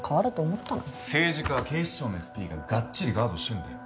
政治家は警視庁のＳＰががっちりガードしてんだよ。